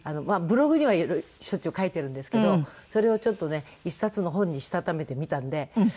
ブログにはしょっちゅう書いてるんですけどそれをちょっとね１冊の本にしたためてみたので。